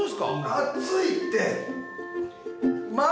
熱いって。